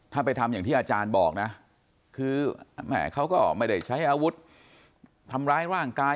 ถ้าไปทำอย่างที่อาจารย์บอกนะคือแม่เขาก็ไม่ได้ใช้อาวุธทำร้ายร่างกาย